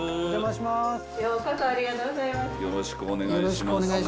よろしくお願いします。